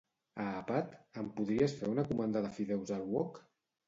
A Appat em podries fer una comanda de fideus al wok?